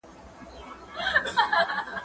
زه هره ورځ لیکل کوم،